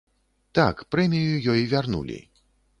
Так, прэмію ёй вярнулі.